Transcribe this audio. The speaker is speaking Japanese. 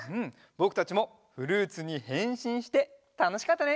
ぼくたちもフルーツにへんしんしてたのしかったね。